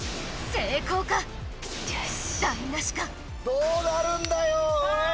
どうなるんだよおい！